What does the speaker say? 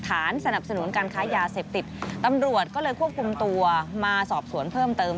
สนับสนุนการค้ายาเสพติดตำรวจก็เลยควบคุมตัวมาสอบสวนเพิ่มเติม